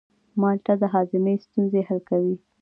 مالټه د هاضمې ستونزې حل کوي.